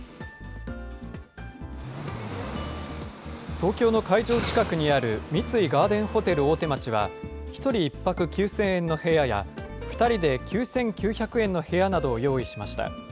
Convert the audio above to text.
東京の会場近くにある三井ガーデンホテル大手町は、１人１泊９０００円の部屋や、２人で９９００円の部屋などを用意しました。